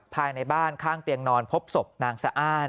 ภายในบ้านข้างเตียงนอนพบศพนางสะอ้าน